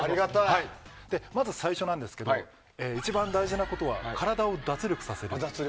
まず最初ですが一番大事なことは体を脱力させること。